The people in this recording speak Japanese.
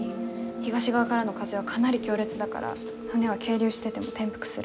東側からの風はかなり強烈だから船は係留してても転覆する。